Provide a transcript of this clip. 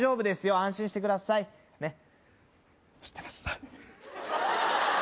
安心してくださいねっ知ってます